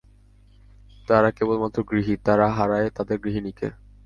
তারা কেবলমাত্র গৃহী, তারা হারায় তাদের গৃহিণীকে।